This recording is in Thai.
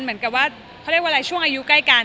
เหมือนกับว่าเขาเรียกว่าอะไรช่วงอายุใกล้กัน